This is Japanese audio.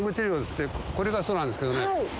これがそうなんですけどね。